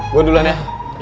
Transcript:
gue duluan ya